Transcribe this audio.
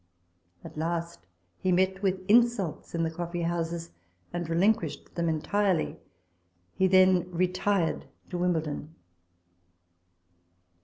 At last he met with insults in the coffee houses, and relinquished them entirely. He then retired to Wimbledon.